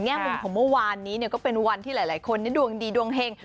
มุมของเมื่อวานนี้ก็เป็นวันที่หลายคนดวงดีดวงเฮง